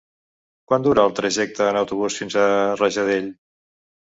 Quant dura el trajecte en autobús fins a Rajadell?